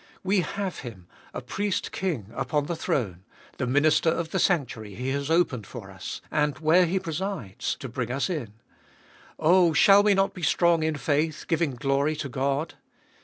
We ftave Him, a Priest King upon the throne, the Minister of the sanctuary He has opened for us, and where He presides, to bring us in — oh, shall we not be strong in faith, giving glory to God